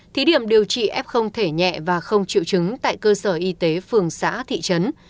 thí điểm điều trị f thể nhẹ và không chịu chứng tại cơ sở y tế phường xã thị trấn